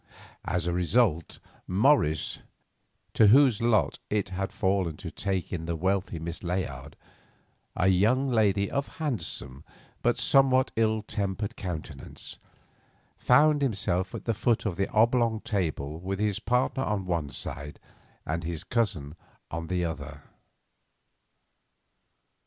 As a result, Morris, to whose lot it had fallen to take in the wealthy Miss Layard, a young lady of handsome but somewhat ill tempered countenance, found himself at the foot of the oblong table with his partner on one side and his cousin on the other.